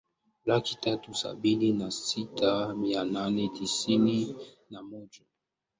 laki tatu sabini na sita mia nane tisini na moja